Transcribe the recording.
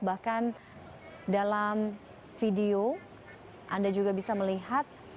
bahkan dalam video anda juga bisa melihat